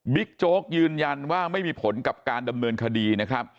โจ๊กยืนยันว่าไม่มีผลกับการดำเนินคดีนะครับ